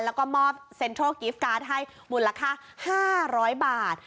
แล้วก็มอบเซ็นทรัลกิฟต์การ์ดให้มูลค่า๕๐๐บาท